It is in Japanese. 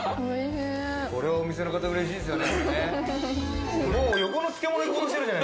これはお店の方、うれしいですよね。